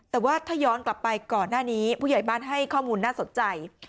แต่ว่าถ้าย้อนกลับไปก่อนหน้านี้ผู้ใหญ่บ้านให้ข้อมูลน่าสนใจ